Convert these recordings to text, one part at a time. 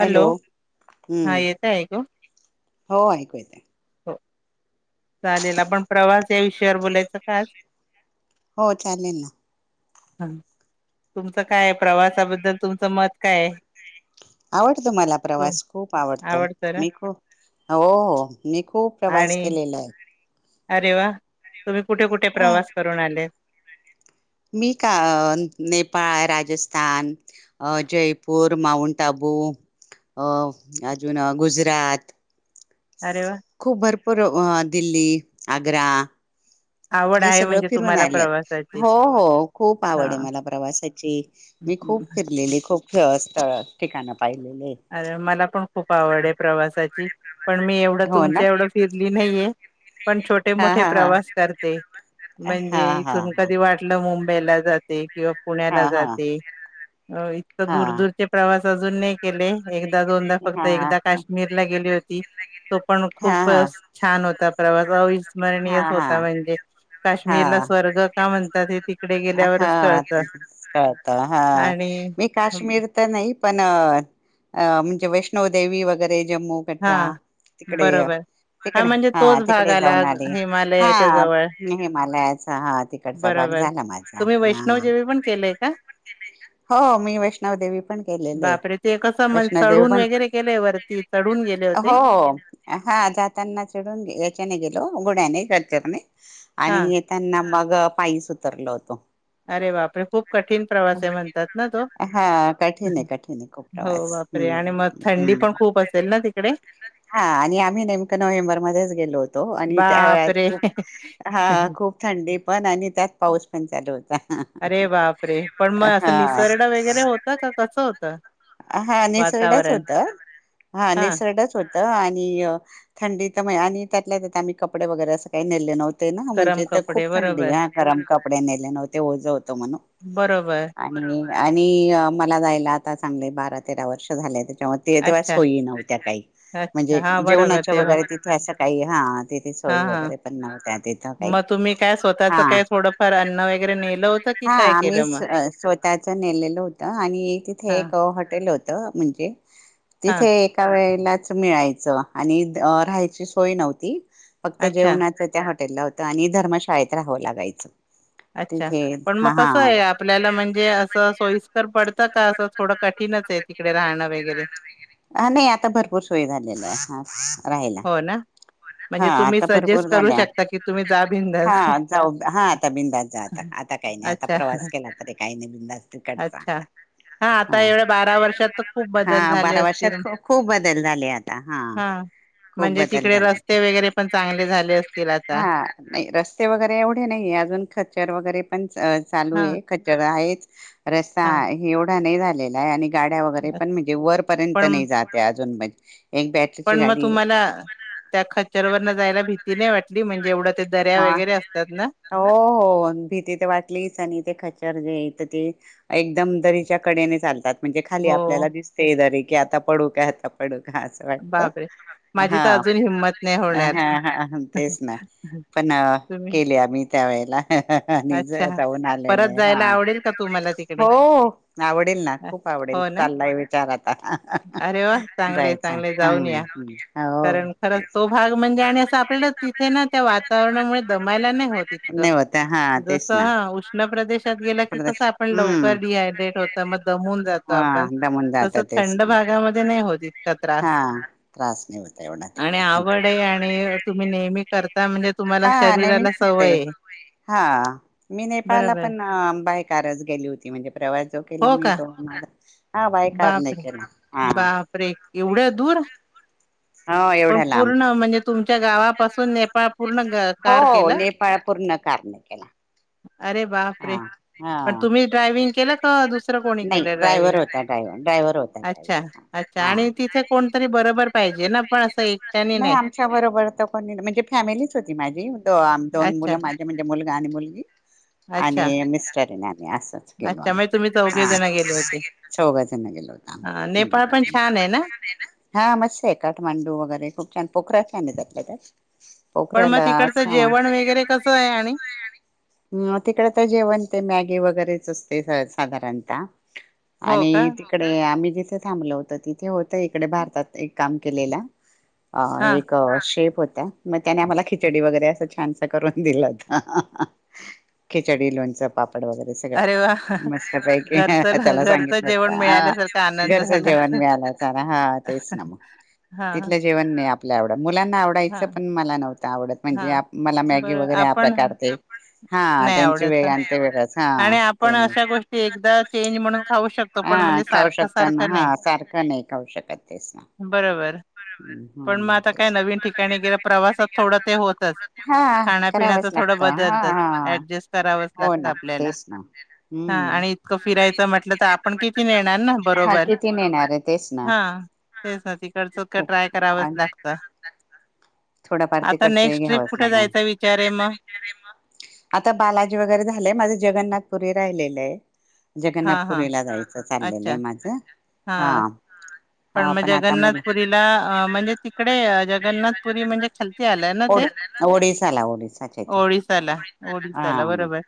Hello! हा हम्म येतय आयकू? हो ऐकू येतेय. हो. चालेल आपण प्रवास या विषयावर बोलायच का आज? हो चालेल ना [inaudible] ह तुमचं काय आहे प्रवासाबद्दल तुमचं मत काय आहे? आवडतो मला तू प्रवास, खूप आवडतो. आवडतं ना मी खूप हो.. हो.. मी खूप प्रवास आणि केलेला आहे. अरे! वा! तुम्ही कुठे? कुठे? अ प्रवास करून आलेत. मी काय नेपाळ, राजस्थान, अ जयपूर, माऊंट आबू अ अजून गुजरात. अरे! वा! पर दिल्ली आग्रा आवड हे आहे सगळं म्हणजे फिरून तुम्हाला आले प्रवासाची हो हो खूप हा आवड आहे. मला प्रवासाची मी खूप फिरलेली खूप. [unintelligible] स्थळ ठिकाण अरे मला पण खूप आवड आहे प्रवासाची. पण मी एवढं हो ना तुमच्या एवढं फिरली नाहीये. पण छोटे हा मोठे हा हा प्रवास करते हा हा म्हणजे हा इथून कधी वाटलं मुं हेला जाते [unintelligible] किंवा हा पुण्याला हा जाते अ इतकं हा हा दूर दूरचे प्रवास. अजून एक केले एक दा दोनदा फक्त हा एकदा काश्मीरला गेली होती, तो पण हा खूप छान होता प्रवासानीच हा स्मरणीयच होता म्हणजे, हा काश्मीरला स्वर्ग का म्हणतात हे तिकडे हा गेल्यावरच हा कळत तेच कळत हा आणि मी काश्मीर तर नाही पण अ‌‌ अ म्हणजे वैष्णोदेवी वगैरे जम्मू हा कटरा तिकडे बरोबर तिकडे म्हणजे हा तोच भाग तिकडे आला जाऊन आली. हिमालयाच्या हा जवळ हिमालयाचा हा तिकडचा भाग बरोबर झाला माझा, तुम्ही वैष्णव देेवी पण केलेय का तुम्ही वैष्णोदेवी पण केलंय का? हा हो मी वैष्णवदेवी पण केलेलं बापरे ते कसं म्हण वैष्णोदेवी चढून पण वगैरे केले वरती चढून गेले होते हो हां जाताना चडून याच्याने गेलो. घोड्याने, गच्छरने हा आणि येताना मग पायीच उतरलो होतो. अरे बापरे खूप कठीण प्रवास आहे म्हणतात ना तो हां कठीण आहे कठीण आहे खूप हो प्रवास. बापरे! आणि मग थंडी हम्म पण खूप असेल ना तिकडे? हां आणि आम्ही नेमकं नोव्हेंबरमध्येच गेलो होतो आणि त्या वेळात बापरे! खूप हां खूप थंडी पण आणि त्यात पाऊस पण चालू होता. अरे बापरे! पण मग असं हा निसर्डा वगैरे होता का कसं होतं? हा निसर्डाच वातावरण? होता हां निसर्डाच हो ता आणि थंडीत मी आणि त्यातल्या त्यात आम्ही कपडे वगैरे असं काही नेले नव्हते. ते ना गरम म्हणजे त खूप कपडे थंडी बरोबर, हां गरम कपडे नेले नव्हते ओझं होतं म्हणून बरोबर. आणि आणि मला जायला आताच चांगले बारा-तेरा वर्ष झाले. [unintelligible] तेव्हा अच्छा, सोयी नव्हत्या काही अच्छा. म्हणजे हां, बरोबर जेवणाच्या तेव्हा. वगैरे तिथे असं काही हां तिथे हां, सोयी हां. वगैरे पण नव्हत्या तिथं काही. मग तुम्ही काय स्वतःचं हां हां. काही थोडंफार अन्न वगैरे नेलं होतं की हां काय आम्ही केलं मग? स्व स्वतःच नेलेलं होतं आणि तिथे हां, एक हॉटेल होतं म्हणजे हां. तिथे एका वेळेला च मिळायचं आणि अ राहायची सोय नव्हती. फक्त अच्छा, जेवणाचं त्या हॉ टेलला होतं आणि धर्मशाळेत राहावं लागायचं. अच्छा तिथे पण मग हा हा कसं आहे आपल्याला म्हणजे असं सोयीस्कर पड त का? असं थोडं कठीणच आहे तिकडे राहणं वगैरे हां नाही आता भरपूर सोय झालेला आहे हां राहायला. हो ना? म्हणजे हां तुम्ही आता भरपूर सजेस्ट करू झाल्या. शकता की तुम्ही जा बिंदास. हां जाऊ हां आता बिनधास्त जा आता. आता काही नाही आता अच्छा प्रवास केला तरी काही नाही बिनधास्त तिकडचा अच्छा हा आता हां एवढ्या बारा वर्षात तर खूप बदल हां झाले बारा असतील वर्षात खूप बदल झाले आता हां. खूप बदल झालाय. स्ते वगैरे पण चांगले झाले असतील आता? नाही रस्ते वगैरे एवढे नाही अजून खचर वगैरे पण च चालू हा आहे खच्चर आहेच. रस्ता हा एवढा नाही झा लेलाय आणि गाड्या वगैरे पण म्हणजे वरपर्यंत पण नाही जात आहे अजून म्हण [inaudible] पण मग तुम्हाला त्या ख [unintelligible] वरण जायला भीती नाही वाटली जेएवढ [unintelligible] हो -हो भीती ते वाटलीच आणि ते खचर जेथ ते एकदम दरीच्या कडेने चालतात. म्हणजे खाली हो आपल्याला दिसते दरी की आता पडू काय आता पडू का असं वाटत. बापरे [inaudible] हा माझी तर अजून हिंमत नाही होणार. [unintelligible] पन्हाळा [inaudible] तुम्ही केले आम्ही त त्यावेळेला हं हं आणि अच्छा जाऊन आलेले परत आहे, जायला हा आवडेल का तुम्हाला [unintelligible] तिकडे हो आवडेल ना अ, खूप आवडेल हो ना चाललाय विचार आता [unintelligible] अरे वा! चांगलंय, जायचा चांगलंय ह जाऊन या. [unintelligible] हो कारण खरंच तो भाग म्हणजे [unintelligible] मुळे दमायला नाही होत इतकं नाही होत हा [inaudible] [inaudible] जस तेच ना आ उष्ण प्रदेश क कस प्रदेश आपण लवकर हम्म डिहायड्रेट होत म दमून जातो हा आपण दमून [inaudible] जात तस तेच थंड ना भागामध्ये नाही होत. इत का हा त्रास त्रास नाही होता एवढा [inaudible] आणि तिकडे आवड थंडपा आणि तुम्ही नेहमी कर [unintelligible] म्हणजे तुम्हाला हा नेहमी शरीराला करते सवय हा, मी नेपाळला बरोबर. पण अ बाय कारच गेली होती म्हणजे प्रवास जो केला हो मी का? तो माझा [unintelligible] कार नाही बापरे! केला हा बापरे, एवढ्या दूर? हो पण एवढ्या लांब. पूर्ण म्हणजे तुमच्या गावापासून नेपाळ पूर्ण हो कार हो केलं? नेपाळ पूर्ण कारने केला अरे हा बापरे! पण हा. तुम्ही ड्रायविंग केलं का दुसरं कोणी केलं ड्रायविंग? ड्रायव्ह ड्रायव्हर होता ड्रायव्हर हा आणि तिथे कोणतरी बरोबर पाहिजे ना. पण असं एकट्याने नाही आमच्या बरोबर तर कोणी, म्हणजे फॅमिलीच होती माझी दोन आ अच्छा मुलं माझे म्हणजे मुल् गा आणि मुलगी. अच्छा आणि मिस्टर, ना असच गेलो अच्छा आम्ही, म्हणजे तुम्ही चौघे जण गेले चौघेजण होते. गेलतात, चौघजन गेलो होतो आम्ही, नेपाळ पण छान आहे ना? हा मस्तंय काठमांडू वगैरे नाय खूप छान पोखरा छानय त्यातल्या त्यात. पण मग पोखऱ्याला तिकडचं तिकडे, जेवण वगैरे कसं आहे आणि? पण मग तिकडच जेवण वगैरे कसंय? तिकडं तर जेवण ते मॅगी वगैरेच अस तिथं साधारणतः हो का? आणि तिकडे आम्ही जि तिथं थांबलं होतं तिथे होतं इकडे भारताचं एक काम केलेला. अ हा एक शेप होत्या, मग त्याने आम्हाला खिचडी वगैरे असं छानसं करून दिलं होतं. खिचडी, लोणचं, पाप ड वगैरे सगळं, अरे वा! मस्त पैकी घरचं त्याला घरचं सांगितलं, जेवण मिळाल्यासारखा आनंद घरचं झाला जेवण असेल. मिळालं त्याला, तेच ना मग हा तिथल्या तिथं जेवण नाही आपल्या आवडत. मुलांना हा आवडायचं पण मला नव्ह त आवडत म्हणजे हा आ मला मॅगी बरं वगैरे हा आपण प्रकार ते हा नाही त्यांची आवडत वेग अन ते वेगळच आणि आपण अशा गोष्टी एकदा चेंज म्हणून खाऊ शकतो, पण हा म्हणजे खाऊ सारखं शकताना सारखं नाही, हा सारखं नाही खाऊ शकत तेच ना. बरोब बरोबर. पण मग हम्म आता तेच. काय पण नवीन मग ठिकाणी किंवा प्रवासात थोडं ते होतच, ते हा होतं. खाण्यापिण्याच करावंच थोडं लागतं हा बदलतच खाण्यापिण्याचं थोडं ऍडजस्ट हा करावंच बदलतं. हो ऍडजस्ट लागतं ना आप करावंच ला, तेच ना लागतं. हा हम्म. आणि इतकं हा, फिरायचं म्हटलं तर आपण किती नेणार ना किती हा नेणार बरोबर, किती नेणार आहे तेच ना हा तेच ना तिकडं तेच इतकं खूप ट्राय तर करावंच लागतं. थोडफार आता तिकडचं हे नेक्स्ट ट्रिप घ्यावाच कुठे लागणार, आता जायचा नेक्स्ट ट्रिप विचार आहे कुठे जायचं मग? विचार आहे मग? आता बालाजी वगैरे झाल लय, माझं जगन्नाथपुरी राहिलेलय. हां, हां. जगन्नाथपुरीला जायचं चाललेलंय माझं. हा पण हा म आता मुलं जगन्नाथपुरीला अ म्हणजे तिकडे जगन्नाथपुरी म्हणजे खालती आलं ना ओडी ते? ओडिसाला ओडिसाच्या ते ओडिसाला, [unintelligible] ओडिसाला बरोबर.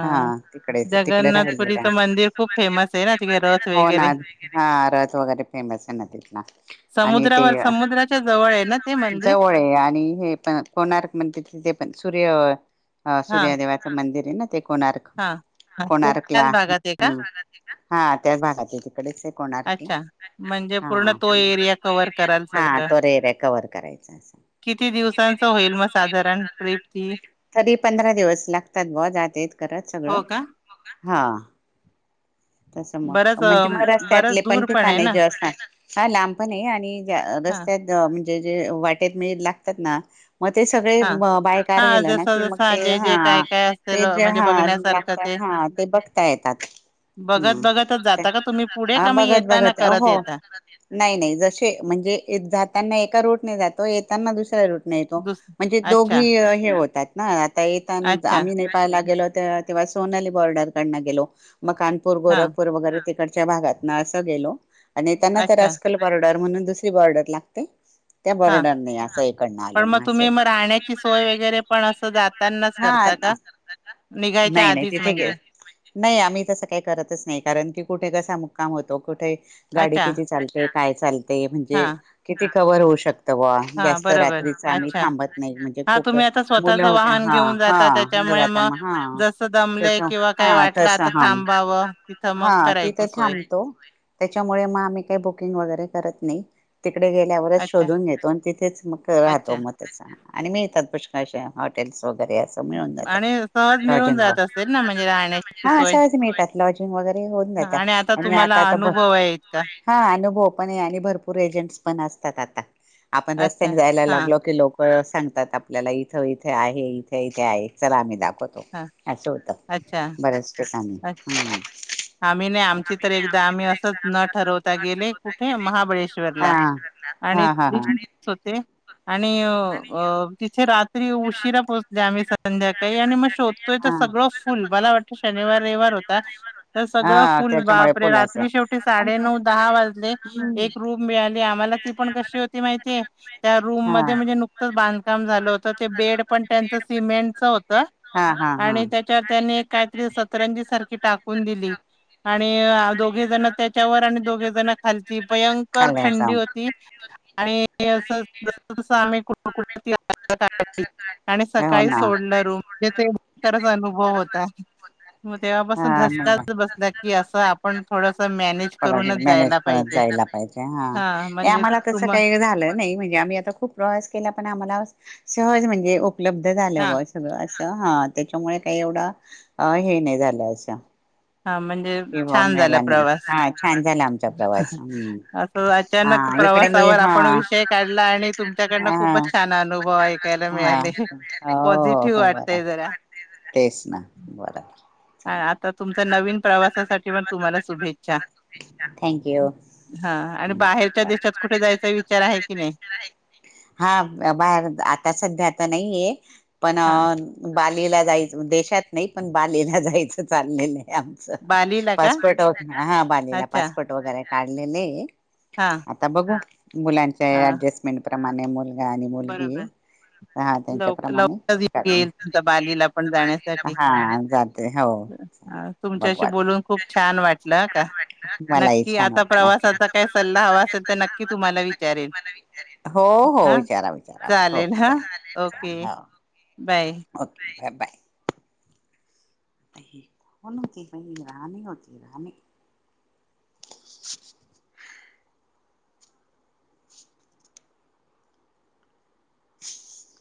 हां तिकडेच तिकडे राहिले जगन्नाथपुरीचं मंदिर खूप फेमस आहे ना तिकडे [unintelligible] रथ हो ना वगैरे हां रथ वगैरे फेमस आहे ना तिथला आणि ते समुद्रावर समुद्राच्या जवळ आहे ना ते [unintelligible] मंदिर जवळ आहे आ णि हे पण [unintelligible] म्हणते ते पण सूर्य अ हा सूर्यादेवाचं मंदिर हे ना ते कोणार्क हा अच्छा कोणार्कला त्याच भागात आहे का [unintelligible] हां त्याच भागात आहे तिकडेच आहे कोणार्कला. अच्छा म्हणजे पूर्ण हां तो एरिया हम्म कव्हर कराल सगळं [unintelligible] एरिया कव्हर करायचा असं किती दिारण दिवसांचं होईल मग साधारण ट्रिप ती [unintelligible] तरी पंधरा दिवस लागतात भावा [unintelligible] जाता येत करत? हो सगळं का हा तस मग बरंच म्हणजे मग अं, बरंच रस्त्यातले पण दूर आहे ठिकाणे ना जे असतात. हा लांबपण आहे आणि हा रस्त्यात अ जे जे वाटेत मिळेल - त्यांना मग ते सगळे हा बाय कार हा गेलं ना जसं कि मग जसं ते जे हा. जे काय काय असेल ते अं, जे ह म्हणजे बघण्यासारखं ते लागत ह ते बघता येतात. बघत बघतच जाता का तुम्ही पुढे ह का मग बघत येताना बघत करत हो येता नाही, नाही जसे म्हणजे जाताना एका रूट- नाही [unintelligible] तो येताना दुसर- काय र नाही तो दुस म्हणजे अच्छा दोघही हे होतात. नाही. त्या येेताण अच्छा आम्ही नेपाळयला गेलो. त्या तेव्हा सोनाली बॉर्डर कडन गेलो. मकानपूर, हा गोरखपूर वगैरे तिकड- त्या भागात ना असं गेलो आणि त्यांना तर अच्छा असकल परड म्हणून दुसरी बॉर्डर लागते! त्या हा बॉर्डर ने असेल पण लो मग तुम्ही असंय पण मग तुम्ही राहण्याची सोय राहण्याची वगैरे पण सोय असं जातानाच वगैरे म्हणजे असं निघायच्या आधीच करता का? का निघायच्या आधीच म्हणजे हा हा नाही आम्ही तसं काय करतच नाही कारण की कुठे कसं अस मुक्काम होतो कुठेही, गाडी अच्छा किती चालते. अच्छा काय चाल ते म्हणजे हा किती कवर होऊ शक तेव्हा हा बरोबर अच्छा हा तुम्ही आता मुलं स्वतःच होत्या वाहन हा घेऊन जाता हा त्याच्यामुळे जाता मग हा जसं दमले त्याच्या किंवा काय हा वाटलं तस आता हा थांबावं तिथं मग हा तिथे करायची सोय. थांबतो त्याच्यामुळे मग आम्ही काही बुकिंग वगैरे करत नाही. तिकडे गेल्यावरच अच्छा शोधून घेतो आणि तिथेच. ग राहतो अच्छा मग तसं आणि मी [unintelligible] हॉटेल्स वगैरे असं मिळून जातात, आणि सहज राजन हॉल सगळं जात मिळून असेल ना जात म्हणजे असेल ना म्हणजे राहण्याची हा सोय सहज मिळतात, लाजिंग वगैरे हो हां मिळतात आता आणि तुम्हाला आताता आणि तुम्हाला आहे अनुभव इतका आहे हा अनुभव पण आहे आणि भरपूर एजंट्स पण असतात आता, आपण रस् अच्छा जायला हा लागलो, की लो सांगतात, आपल्याला इथं इथे आहे इथे इथे आहे चला आम्ही दाखव होतो, हा असं होत अच्छा बऱ्याच अ [unintelligible] आम्ही नाही आमची तर अच्छा. एकदा आम्ही असंच न ठरवता गेले कुठे महाबळेश्वरला हा आणि हा हा हा. [unintelligible] होते. आणि अ अ तिथे रात त्री उशिरा पोहचले आम्ही संध्याकाळी आणि मग शोधतोय हा. तर सगळं फुल मला वाटतं शनिवार रविवार होता सगळं हा फुल्ल बापरे रात्री शेवटी साडे ते नऊ दहा वाजले हम्म एक रूम मिळाली आम्हाला ती पण कशी होती माहितीय त्या रूम मध्ये हा. नुकत् बांधकाम झालं होतं तर ते बेड पण त्यांचं सिमेंटच होतं हा. आणि त्याच्यात त्यांनी काहीतरी सतरंजी सारखी टाक आणि अ दोघे जण त्याच्यावर आणि दोघे जण खालती भयंकर खाली थंडी असावं. होती. आणि अस जस जस आम्ही कुठं कुठं आणि हो सकाळी ना. सोडलं रूम म्हणजे [unintelligible] हो होता मग तेव्हा हा पासून तसंच बसला की असं आपण थोडस मॅनेज नाही नाही. करूनच मॅनेज जायला करत पाहिजे जायला पाहिजे हा म्हणजे तुम ख प्र के आ्हा [unintelligible] उपलब्ध झालं हा ब सगळं असं हहात त्याच्यामुळे काही एवढं हे नाही झालं. श [unintelligible] हा म्हणजे छान झाला प्रवास हा छान झाला आमचा प्रवास हम्म असं अचानक हा इकडे मी प्रवासावर हा आपण विषय काढला आणि तुमच्याकडनं हा खूपच छान अनुभव ऐकायला हा मिळाले हो पॉझिटिव्ह हो बरं वाटतंय जरा तेच ना बर आ चाले आता तुमचा नवीन प्रवासासाठी पण तुम्हाला शुभेच्छा थँक्यू हा आणि हम्म बाहेरच्या का देशात कुठे जायचा विचार आहे की नाही आहे हा बाहेर आता सध्या आता नाहीये पण हा बालीला जायचं देशात नाही पण बालीला जायचं चाललेलं आहे आमचं बालीला का पासपोर्ट वगैरे हा बालीला अच्छा पासपोर्ट वगैरे हारले नाही. हा आता बघ मुलांच्या हा ऍडजस्टमेंट प्रमाणे मग बरोबर लवकर त्यांच्याप्रमाणे लवकर येईल बालीला पण जाण्यासाठी हा जाते हो बघू तुमच्याशी आता. बोलून न खूप तुमच्याशी छान वाटलं का मलाही नक् छान आता वाटलं. प्रवासाचा काही सल्ला हवा असेल तर नक्की तुम्हाला विचारेल ह करा विचार हो चालेल हो बाय हो ते ह बाय आता कोण होती ही राणी होती राणी [inaudible]